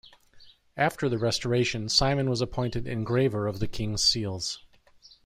After the Restoration Simon was appointed engraver of the king's seals.